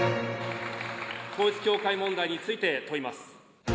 統一教会問題について問います。